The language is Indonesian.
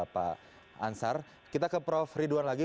pak ansar kita ke prof ridwan lagi